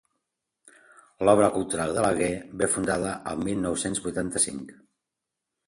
L'obra cultural de l'Alguer ve fundada al mil nou-cents vuitanta-cinc